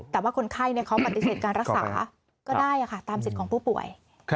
แต่ว่าคนไข้เขาปฏิเสธการรักษาก็ได้ตามสิทธิ์ของผู้ป่วย